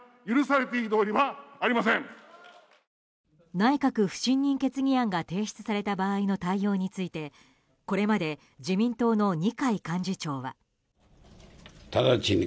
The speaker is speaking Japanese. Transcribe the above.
内閣不信任決議案が提出された場合の対応についてこれまで自民党の二階幹事長は。